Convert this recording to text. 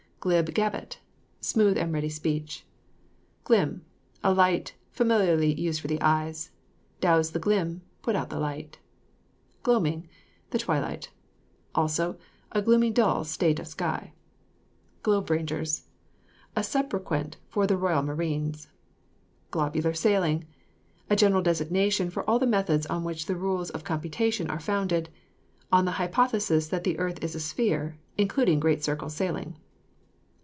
GLIB GABBET. Smooth and ready speech. GLIM. A light; familiarly used for the eyes. Dowse the glim, put out the light. GLOAMING. The twilight. Also, a gloomy dull state of sky. GLOBE RANGERS. A soubriquet for the royal marines. GLOBULAR SAILING. A general designation for all the methods on which the rules of computation are founded, on the hypothesis that the earth is a sphere; including great circle sailing.